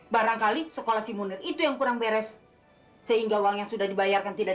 barangkali sekolah si munir itu yang kurang beres sehingga uang yang sudah dibayarkan tidak